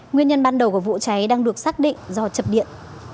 nguyên nhân ban đầu của vụ cháy đang được xác định do chập điện